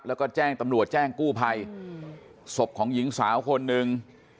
แล้วก็แจ้งตำรวจแจ้งกู้ภัยศพของหญิงสาวคนหนึ่ง